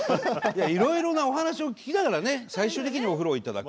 いろいろお話を聞きながら最終的にお風呂をいただく。